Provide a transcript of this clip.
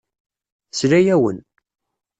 Tesla-awen.